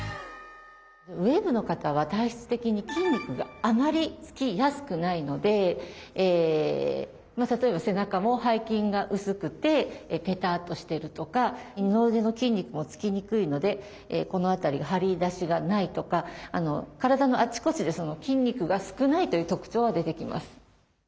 ウエーブの方は体質的に筋肉があまり付きやすくないので例えば背中も背筋が薄くてペタッとしてるとか二の腕の筋肉も付きにくいのでこの辺りが張り出しがないとか体のあちこちで筋肉が少ないという特徴は出てきます。